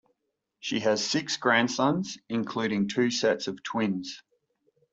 She has six grandsons, including two sets of twins.